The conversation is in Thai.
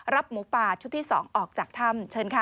หมูป่าชุดที่๒ออกจากถ้ำเชิญค่ะ